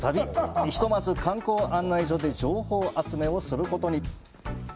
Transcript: ひとまず観光案内所で情報集めをすることに。